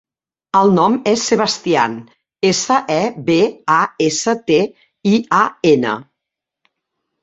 El nom és Sebastian: essa, e, be, a, essa, te, i, a, ena.